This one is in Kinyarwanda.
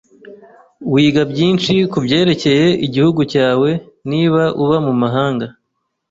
Wiga byinshi kubyerekeye igihugu cyawe niba uba mumahanga.